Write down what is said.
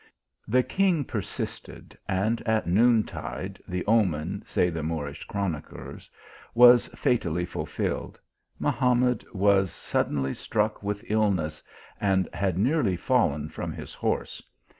The king persisted, and at noon tide the omen, say the Moorish chroniclers, was fatally fulfilled. Mahamad was suddenly struck with illness, and had nearly fallen from his horse.